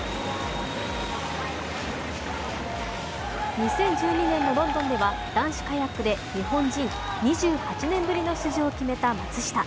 ２０１２年のロンドンでは男子カヤックで日本人２８年ぶりの出場を決めた松下。